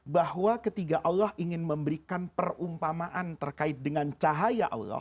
bahwa ketika allah ingin memberikan perumpamaan terkait dengan cahaya allah